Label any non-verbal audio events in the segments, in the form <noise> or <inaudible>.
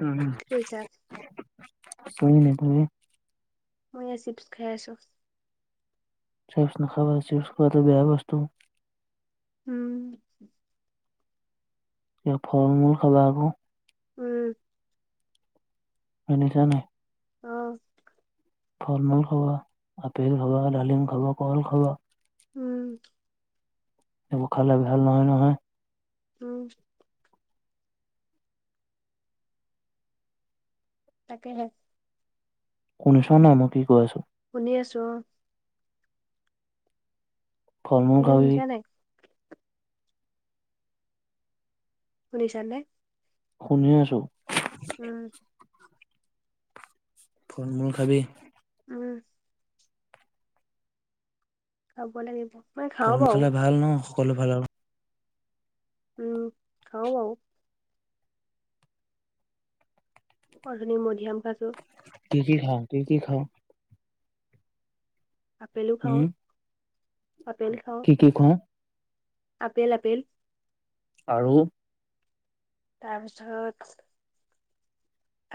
উম-উম কি কৰিছা? <unintelligible> আছোঁ এনে। তুমি? মই এই চিপছ্ খাই আছোঁ। চিপছ্ নাখাবা, চিপছ্ খোৱাটো বেয়া বস্তু। উম' কিবা ফল-মূল খাবা আক। উম শুনিছা নে? অ ফল-মূল খাবা। আপেল খাবা, ডালিম খাবা, কল খাবা। উম এইবোৰ খালে ভাল নহয়, নহয়। উম তাকেহে শুনিছা নাই, মই কি কৈ আছো? শুনি আছো অ'। ফল-মূল তুমি খাবি। শুনিছা নাই? শুনিছা নে? শুনি আছো। উম ফল-মূল খাবি। উম খাব লাগিব। মই খাওঁ গৰম বাৰু খালে ভাল ন, সকলো ভাল আৰু। উম' খাওঁ বাওঁ। অথনি মধুৰিআম খাইছোঁ। কি কি খাওঁ? কি কি খাওঁ? আপেলো খাওঁ, উম' কি কি কওঁ? আপেল-আপেল। আৰু তাৰপিছত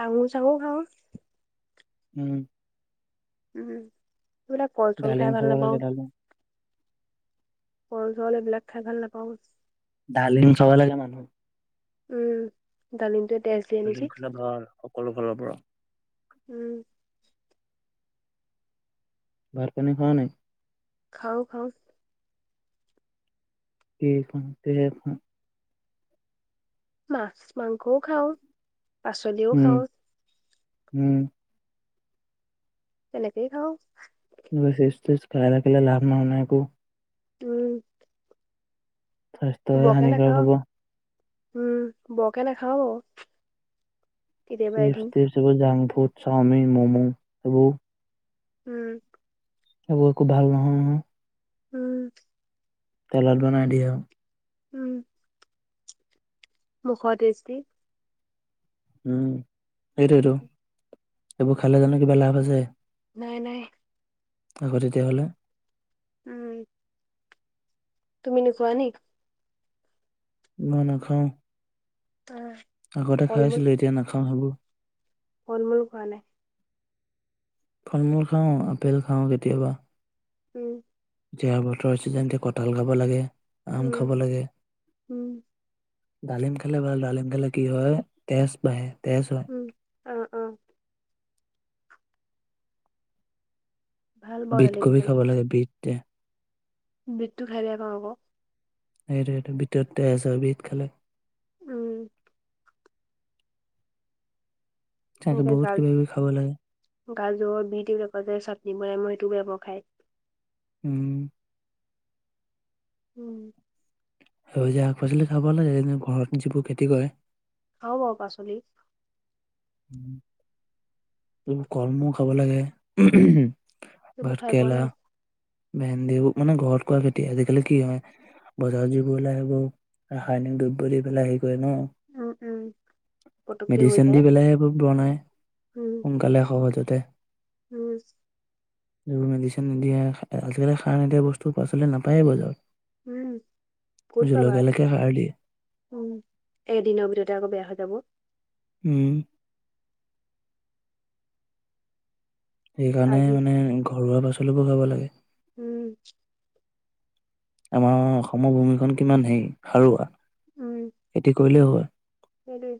আঙুৰ-চাঙুৰ খাওঁ। উম' উম' এইবিলাক কল-চল খাই ডালিম ভাল খাব লাগে নাপাওঁ। ডালিম, কল-চল সেইবিলাক খাই ভাল নাপাওঁ। ডালিম খাব লাগে মানুহ। উম' ডালিমটোৱে তেজ দিয়ে নেকি? ডালিম খালে ভাল সকলো ফালৰ পৰা। উম ভাত পানী খাওঁ নাই? খাওঁ খাওঁ কিখন সখন <inaudible> মাছ মাংসও খাওঁ, পাচলিও খাওঁ। উম তেনেকেই খাওঁ। এইবোৰ চিপছ টিপছ খাই থাকিলে লাভ নহয় নাই একো উম হয়। বৰকে নাখাওঁ, উম বৰকে নাখাওঁ অ চিপছ টিপছ জাং ফুড চাওমিন ম'ম এইবোৰ। উম সেইবোৰ একো ভাল নহয় নহয়। উম তেলত বনাই দিয়ে আৰু। উম মুখৰ টেষ্টি। উম সেইটোৱেতো এইবোৰ খালে জানো কিবা লাভ আছে। নাই নাই। আকৌ তেতিয়া হ'লে। উম তুমি নোখোৱা নি? মই নাখাওঁ। ত। আগতে খাইছিলোঁ এতিয়া নাখাওঁ সেইবোৰ। ফল মূল খোৱা নাই? ফল মূল খাওঁ আপেল খাওঁ কেতিয়াবা। উম এতিয়া বতৰৰ চিজন এতিয়া কঁঠাল খাব লাগে, আম উম খাব লাগে। উম ডালিম খালে ভাল ডালিম খালে কি হয় তেজ বাঢে তেজ হয়। উম অ অ। ভাল বাৰু বিট ডালিম কবি খাল খাব লাগে, বিট। বিটটো খাই বেয়া পাওঁ আক। সেইটোৱেইটো‌ বিতত তেজ হয় বিত খালে। উম। চাকে এনেকে বহত গাজ কিবা কিবি খাব লাগে। গাজৰ বিত এইবিলাকৰ যে চাটনি বনাই মই সেইটো বেয়া পাওঁ খাই। উম। উম। সেউজীয়া শাক পাচলি খাব লাগে যোনবোৰ ঘৰত যিবোৰ খেতি কৰে খাওঁ বাৰু পাচলি কলমৌও খাব লাগে। সেইবোৰ খাই পোৱা ভাতকেৰেলা নাই ভেন্দি মানে ঘৰত কৰা খেতি আজিকালি কি হয়। বজাৰত যিবোৰ ওলাই সেইবোৰ ৰাসায়নিক দ্ৰব্য দি পেলাই হেৰি কৰে ন। উম উম পটককে হৈ মেডিচিন যায় দি পেলাইহে সেইবোৰ বনাই। উম। সোনকালে সহজতে। অ। মেডিচিন নিদিয়া। আজিকালি সাৰ নিদিয়া, বস্তু পাচলি নাপায়ে, উম, ক'ত বজাৰত। পাবা? জলকীয়ালৈকে সাৰ দিয়ে। উম, এদিনৰ ভিতৰতে, আকৌ বেয়া হৈ যাব। উম! সেইকাৰণে আজি মানে, ঘৰুৱা পাচলিববোৰ খাব লাগে। উম! আমাৰ অসমৰ ভূমিখন, কিমান হেৰি, সাৰুৱা। উম! খেতি কৰিলেই হয়। সেইটোৱে!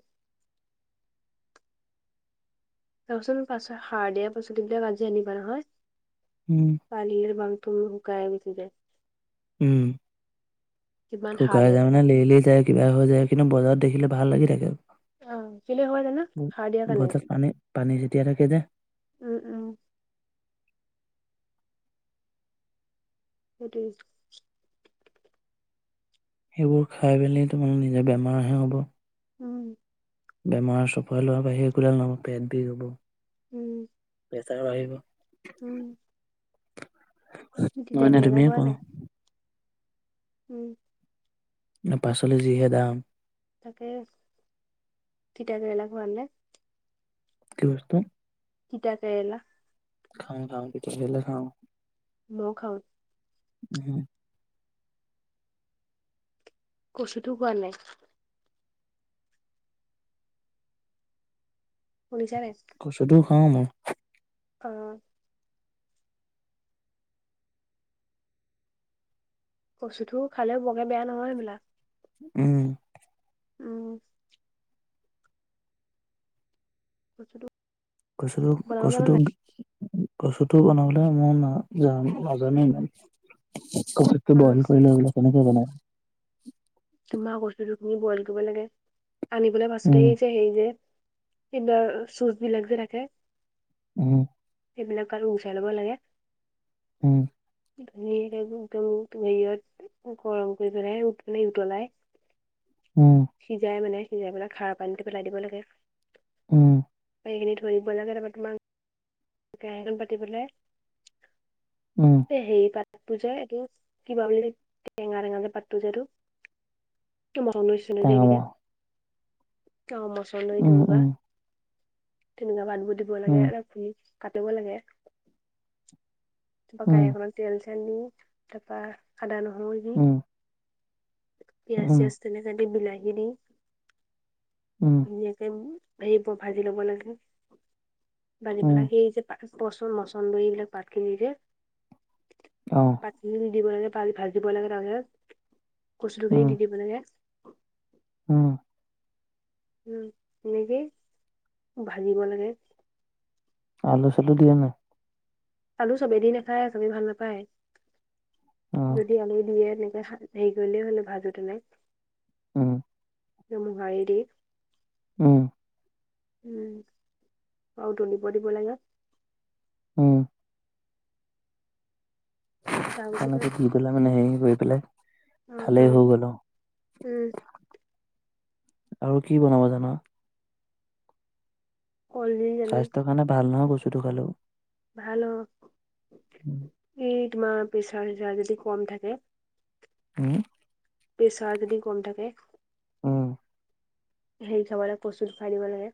তাৰপাচোন, পাছত সাৰ দিয়া, পাচলিবিলাক আজি আনিবা নহয়। উম! <unintelligible> শুকাই গুছি যায়। উম! কিমান সাৰ শুকাই দিয়া যায় থাকে। মানে, লেৰেলি যায়। কিবা হৈ যায়। কিন্তু, বজাৰত দেখিলে, ভাল লাগি থাকে। অ'! কেনে হ'ব জানোঁ? সাৰ দিয়া কাৰণে। বজাৰত পানী পানী যেতিয়া থাকে যে উম, উম। সেইটো। সেইবোৰ খাই পেলি, তোমাৰে নিজৰ বেমাৰহে হ'ব। উম! বেমাৰ চপাই লোৱা বাহিৰে, একো ডাল নহ'ব, পেট বিষ হ'ব। উম! প্ৰেচাৰো বাঢ়িব। উম! <unintelligible> তিতা নহয় নে কেৰেলা তুমিয়ে খোৱা নাই? কোৱা উম! এই, পাচলি যিহে দাম! তাকে, তিতাকেৰেলা খোৱালে। কি বস্তু? তিতা কেৰেলা। খাওঁ, খাওঁ, তিতা কেৰেলা খাওঁ। মইও খাওঁ। ওহোঁ! কচুটো খোৱা নাই। শুনিছানে? কচুটো খাওঁ, মই। অ'! কচুটো খালে, বৰকে বেয়া নহয়, সেইবিলাক। উম! উম! কচুটো কচু, বনাব জানা কচুটোত নাই? কচুটো বনাবলে, মই না যাম, নাজানেই ইমান। অ বইল কৰি লৈ পেলে, কেনেকে বনাই? তোমাৰ <unintelligible> তুমি বইল কৰিব লাগে। আনি পেলাই বাচোঁতে, উম এই যে, সেই যে <unintelligible> বিলাক যে থাকে। উম! সেইবিলাক আৰু গুচাই ল'ব লাগে। উম! <unintelligible> উতলাই উম সিজাই মানে, সিজাই পেলাই খাৰ পানীটো পেলাই দিব লাগে। উম সেইখিনি ধৰিব লাগে, তাৰপা তোমাক কেৰাহীখন পাতি বলে উম এ হেৰী পাতটো যে, এইটো কিবা বুলি টেঙা- টেঙা যে পাতটো যে এটো তোৰ মৰ্টন লৈছিলে যে টেঙা এইকেইটাই মৰা অহ, মছন্দৰী‌ উম চিঙিবা, উম তেনেকুৱা পাটবোৰ দিব লাগে। উম কাটিব লাগে। তাৰপা উম কাঁহি এখনত তেল চেল দি তাৰপা আদা নহৰু দি উম পিয়াজ উম -চিয়াজ তেনেকে দি বিলাহী দি উম ধুনীয়াকে হেৰি ভাজি লব লাগে, ভাজি উম পেলাই সেই যে পচন মচন্দৰি এইবিলাক পাতখিনি যে অহ পাতখিনিদি দি দিব লাগে, পাল ভাজিব লাগে, তাৰপিছত কচু খিনি উম দি দিব লাগে। উম উম, নিজেই ভাজিব লাগে। আলু- চালু দিয়ে নাই? আলু চবেদি দি নাখায়, চবে ভাল নাপায়, অ যদি আলু দিয়ে তেনেকে খায় হেৰি কৰিলেই হলে, ভাজাটো নাই। উম মোহাৰি দি উম ওম, আৰু উতলিব দিব লাগে। উম তাৰপিছতে তেনেকে দি পেলাই মানে, হেৰি গৈ পেলাই অ অ খালেই হৈ গল উম আও। আৰু কি বনাব জান? কলদিল জানোঁ। মানে ভাল নহয় বস্তুটো খালেওঁ। ভাল অ <inaudible> এই তোমাৰ প্ৰেছাৰ চেচাৰ যদি কম থাকে হুম পেছাৰ যদি কম থাকে। ওম হেৰি খাব লাগে, কচুৰ খোৱাই দিব লাগে।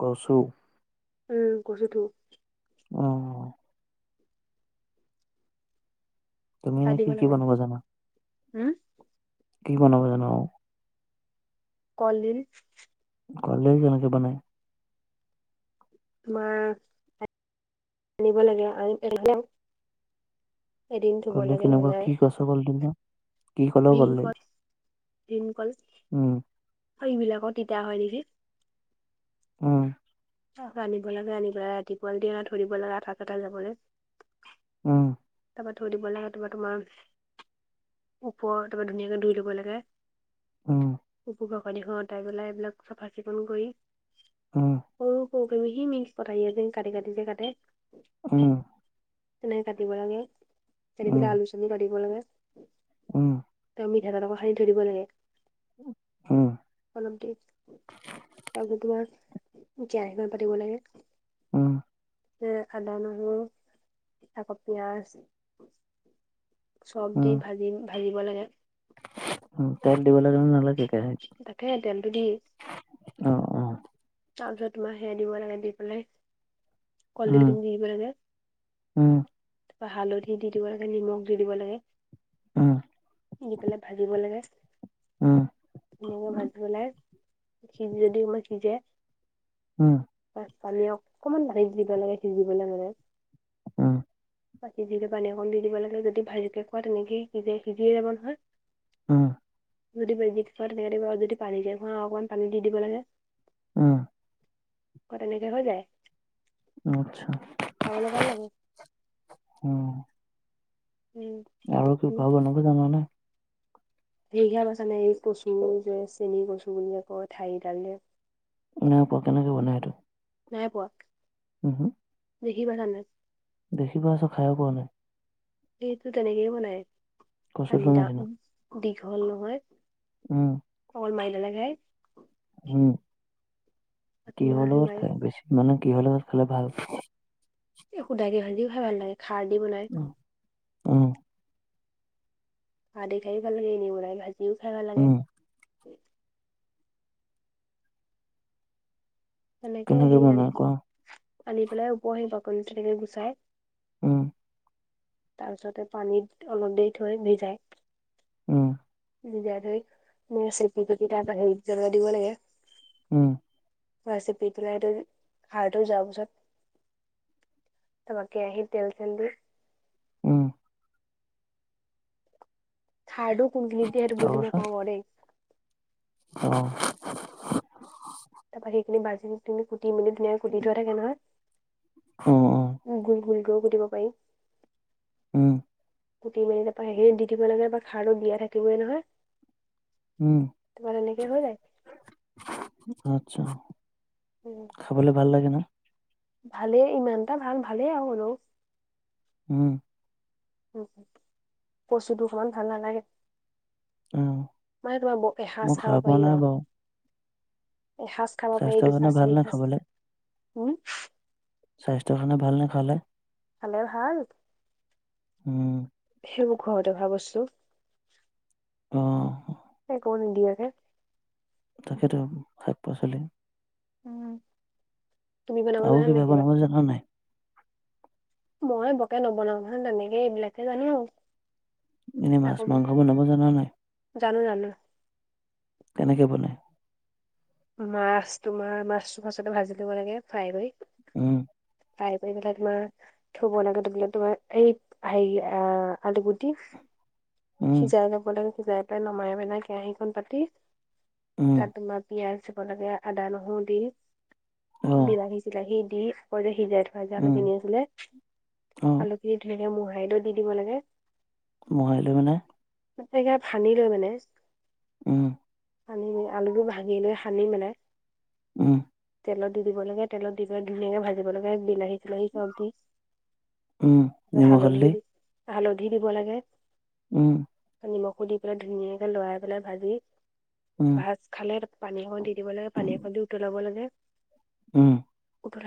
কচু উম, কচু থু অহ তুমি খাই এনে দিব কি কি লাগে, বনাব জানা হম কি বনাব জান আৰু কলদিল কলডিল কেনেকে বনাই মাৰ আনিব লাগে আৰু আনি পেলাই কলডিল লাগে কেনেকুৱা নহ'লে কি কছুৰ কলডিল বা কি কলৰ কলডিল? ভীমকল ওম অ, এইবিলাক তিতা হয় নিকি? উম, অ, আনিব লাগে আনিবা ৰাতিপুৱা যদি আ ধৰিব লাগে আধা কাটা যাব যে। উম, তাৰপা থৈ দিব লাগে তোমা-তোমাৰ ওপৰ তাৰমানে ধুনিয়া কে ধুই ল'ব লাগে। উম, উপো বাকলিখন অটাই পেলাই এইবিলাক চাফা চিকুণ কৰি উম, কৰ- কৰ <unintelligible> কাটি -কাটি যে কাটে। উম, তেনেকে কাটিব লাগে <unintelligible> উম, আলু -চালু কাটিব লাগে। উম, ত' মিঠাতেল অক খানি থৈ দিব লাগে। উম, কলমটো আজি তোমাক জীয়া ইমান পাতিব লাগে। উম, এ আদা, নহৰু আকৌ পিয়াজ চব দি ভাজিম ভাজিব লাগে। হু, তেল দিবলে দেখোন নালাগে কেৰাহীত তাকে তেলটো দি অ', অ', তাৰপিছত তোমাৰ সেয়া দিব লাগে দি পেলাই কলডিল উম, খিনি দি দিব লাগে। উম, তাৰপা হালধি দি দিব লাগে নিমখ দি দিব লাগে। উম, দি পেলাই ভাজিব লাগে। উম, নেমু ভাজিপেলাই সিজে যদিও <unintelligible> সিজে উম, অ, পানী অক্কমান ঢালি দিব লাগে সিজিবলে মানে। উম, বা সিজিকে পানী অকণ দি দিব লাগে যদি ভালকে খোৱা তেনেকে সিজে সিজিয়ে যাব নহয়। উম, <unintelligible> অকমান পানী দি দিব লাগে। উম, অ, তেনেকে হৈ যায়। অ, আচ্ছা। খাবলৈ ভাল লাগে। উম, আৰু কি উম খোৱা বনাব জানা নে? এইঘিয়া বাচা নাই এই কচু যে চেনি কচু বুলি যে কয় ঠাৰিডাল যে নাই পোৱা কেনেকে বনাই এইটো? নাই পোৱা। উহু দেখিবা জানে দেখি পাইছোঁ খায়ে পোৱা নাই। এইটো তেনেকেই বনাই কচুথোৰ আন্দা নিচিনা উম, দীঘল নহয় উম, পল <unintelligible> উম, আৰু তোমাৰ কিহৰ সেই লগত মাৰি খায় বেছি মানে কিহৰ লগত খালে ভাল? এ সোধাইকে ভাজিও খাই ভাল লাগে খাৰ দি বনাই। উম, উম, ভাদি খায়ো ভাল লাগে এনেই ভাজিও খাই ভাল লাগে। উম, সেনেকে কেনেকে হেৰি আন বনাই কোৱা? <unintelligible> আনি পেলাই ওপৰ সেই বাকলিটো তেনেকে গুচায়। উম, তাৰপিছতে পানীত অলপ দেৰি থৈ, ভিজাই উম, ভিজাই থৈ, নে' চেপি তাক হেৰিত জ্বলাই দিব লাগে। উম। <unintelligible> চেপি পেলাই, হাৰ্টত যোৱাৰ পিছত তাপা কেৰাহীত তেল চেল দি' উম খাড়টো কোন খিনিত দিয়ে হেটো বুজি তাৰপাছত নাপাওঁ বাৰু দেই। অ। তাৰপৰা সেইখি বাজিন, তুমি কুতি-মেনি ধুনিয়াকে কুতি থোৱা থাকে নহয়। অ, অ। গুল গুল কৰি কোতিব পাৰি। উম। কুটি মেলি তাৰপা সেই খিনি দি দিব লাগে বা খাৰটো দিয়া থাকিবই নহয়। উম, তাৰপা তেনেকে হৈ যায় আচ্ছা। খাবলৈ ভাল লাগে না? ভালে ইমানটা ভাল ভালেই আৰু সলো। উম। কচুটো সমান ভাল নালাগে। অ', মানে তোমাৰ ব মই এসাঁজ খাব খাই পোৱা পাৰি নাই আৰু। বাৰু এসাঁজ খাব পাৰি, স্বাস্থ্যৰ কাৰণে দুহাজ, ভাল তিনি নে সাজ। খাবলে? হম? স্বাস্থ্য কাৰণে ভাল নে খালে? খালে ভাল। উম সেইবোৰ ঘৰতে হোৱা বস্তু। অ। একো নিদিয়াকে। তাকেটো শাক-পাচলি। উম, তুমি বনাব আৰু জানান নাই কিবা? বনাব জানা নাই? মই বকে নবনাও নহয়। তেনেকে এইবিলাকে জানো। এনে আকৌ মাছ-মাংস বনাব জানা নাই, জানো জানো কেনেকে বনাই? মাছ তোমাৰ মাছতো ফাৰ্ষ্টতে ভাজি লব লাগে ফ্ৰাই কৰি। উম। ফ্ৰাই কৰি পেলাই তোমাৰ থুব লাগে ধবাক তোমাৰ এই হেৰি আলুগুটি, উম, সিজাই ল'ব লাগে, সিজাই পেলাই নমাই পেলাই কেৰাহীখন পাতি, উম, তাত তোমাত পিয়াজ দিব লাগে, আদা নহৰু দি, অ', বিলাহী চিলাহী দি, অলপদেৰি সিজাই ভাজা আলু উম, কিনি আছিলে, অ', আলুখিনি ধুইলৈ পেলাই মোহাৰি দি দিব লাগে। মোহাৰিলৈ মানে? <unintelligible> হানি লৈ মানে। উম। সানি আলুটো ভাঙি লৈ সানি মেলাই, উম। তেলত দি দিব লাগে, তেলত দি পেলাই ধুনীয়াকে ভাজিব লাগে, বিলাহী চিলাহী চব দি, উম, ত নিমখ হালধিও হালধি? দি হালধি দিব লাগে, উম। নিমখো দি পেলাই ধুনীয়াকে লৰাই পেলাই ভাজি উম, ভাজ খালে- পানী অকন দি দিব লাগে, পানী একখন দি উতলাব লাগে, উম। ধৰা